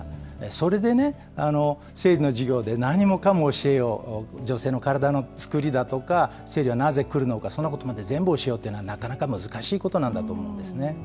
それでね、生理の授業で何もかも教えよう、女性の体のつくりだとか、生理はなぜ来るのか、そんなことまで全部教えようというのは、なかなか難しいことなんだと思うんですね。